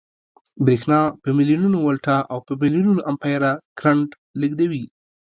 برېښنا په ملیونونو ولټه او په ملیونونو امپیره کرنټ لېږدوي